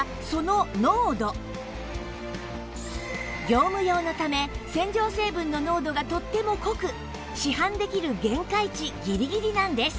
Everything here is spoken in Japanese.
業務用のため洗浄成分の濃度がとっても濃く市販できる限界値ギリギリなんです